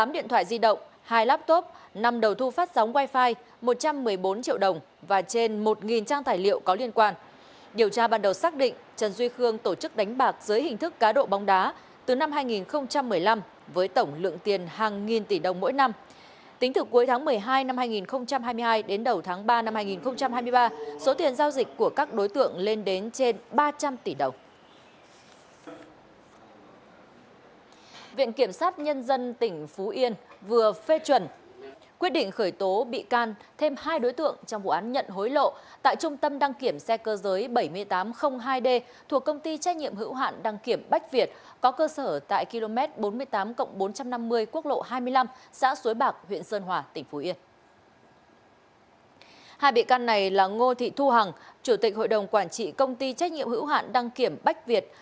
hai bị can này là ngô thị thu hằng chủ tịch hội đồng quản trị công ty trách nhiệm hữu hạn đăng kiểm bách việt